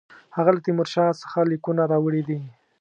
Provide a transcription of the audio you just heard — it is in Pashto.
هغه له تیمورشاه څخه لیکونه راوړي دي.